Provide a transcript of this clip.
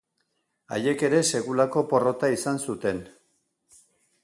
Haiek ere sekulako porrota izan zuten.